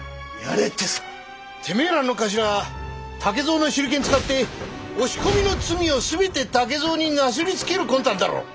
てめえらの頭は竹蔵の手裏剣使って押し込みの罪を全て竹蔵になすりつける魂胆だろう。